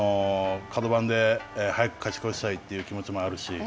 角番で、早く勝ち越したいという気持ちもあるし。